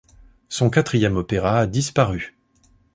Son quatrième opéra a disparu.